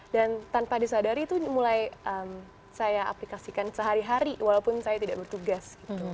dan tanpa disadari itu mulai saya aplikasikan sehari hari walaupun saya tidak bertugas